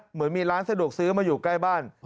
เหมือนมีร้านสะดวกซื้อมาอยู่ใกล้บ้าน